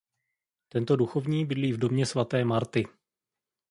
Tento duchovní bydlí v Domě svaté Marty.